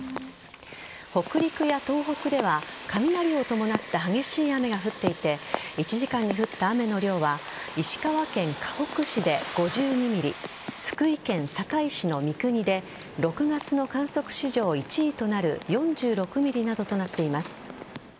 北陸や東北では雷を伴った激しい雨が降っていて１時間に降った雨の量は石川県かほく市で５２ｍｍ福井県坂井市の三国で６月の観測史上１位となる４６ｍｍなどとなっています。